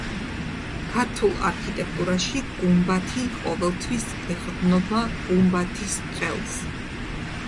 ქართულ არქიტექტურაში გუმბათი ყოველთვის ეყრდნობა გუმბათის ყელს.